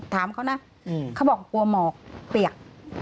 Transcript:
ถามเขานะเขาบอกกลัวหมอกเปียก